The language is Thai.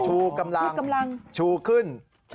ชูกำลังชูขึ้น